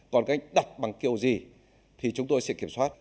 còn các anh đặt bằng kiểu gì thì chúng tôi sẽ kiểm soát